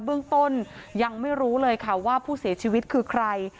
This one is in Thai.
เบื้องต้นยังไม่รู้เลยค่ะว่าผู้เสียชีวิตคือใคร